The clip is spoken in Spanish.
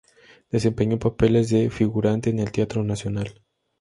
Desempeñó papeles de figurante en el Teatro Nacional.